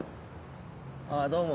あぁどうも。